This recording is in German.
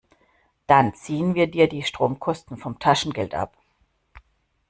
Dann ziehen wir dir die Stromkosten vom Taschengeld ab.